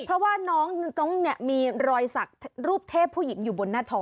เพราะว่าน้องเนี่ยมีรอยสักรูปเทพผู้หญิงอยู่บนหน้าท้อง